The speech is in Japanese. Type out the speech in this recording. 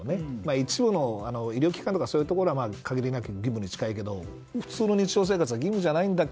一部の医療機関とかそういうところは義務に近いけど普通の日常生活では義務じゃないと。